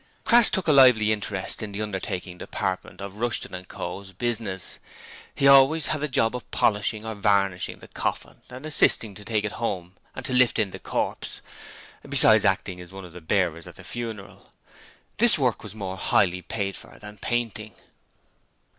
Crass took a lively interest in the undertaking department of Rushton & Co.'s business. He always had the job of polishing or varnishing the coffin and assisting to take it home and to 'lift in' the corpse, besides acting as one of the bearers at the funeral. This work was more highly paid for than painting.